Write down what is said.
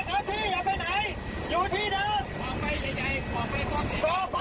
ขอเชื่อใจมั้ยอย่าอย่าอย่า